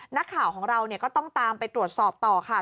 นักข่าวของเราก็ต้องตามไปตรวจสอบต่อค่ะ